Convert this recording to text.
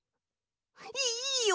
いいよ！